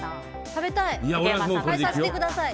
食べたい！